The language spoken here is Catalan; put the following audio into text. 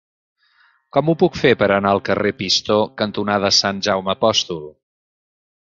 Com ho puc fer per anar al carrer Pistó cantonada Sant Jaume Apòstol?